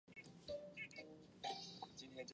中国共产党及中华人民共和国官员。